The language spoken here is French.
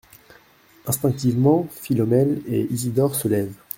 Instinctivement Philomèle et Isidore se lèvent.